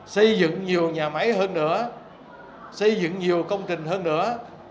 xây dựng nhiều nhà máy hơn nữa xây dựng nhiều công trình hơn nữa